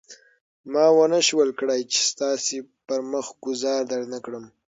ما ونه شول کړای چې ستا پر مخ ګوزار درنه کړم.